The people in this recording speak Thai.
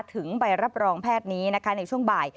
ถึงใบรับรองแพทย์นี้นะคะในช่วงบ่าย